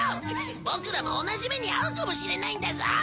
ボクらも同じ目に遭うかもしれないんだぞ。